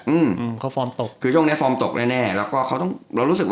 หืมเขาฟอร์มตกช่วงนี้ฟอร์มตกแน่แล้วเรารู้สึก